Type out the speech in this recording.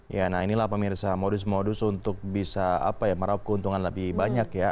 ya nah inilah pemirsa modus modus untuk bisa meraup keuntungan lebih banyak ya